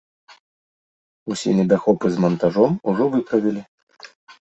Усе недахопы з мантажом ужо выправілі.